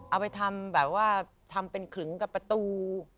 เอาไปทำแบบว่าทำเป็นขึงกับประตู